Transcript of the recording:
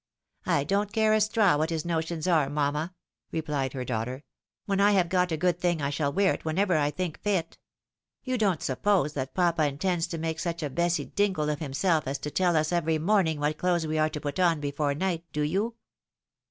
" I don't care a straw what his notions are, mamma," re pUed her daughter. " When I have got a good thing I shall wear it whenever I think fit. You don't suppose that papa intends to make such a Bessy Dingle of himself as to tell us every morning what clothes we are to put on before night, do you?"